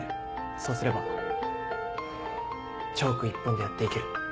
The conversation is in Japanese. そうすればチョーク一本でやっていける。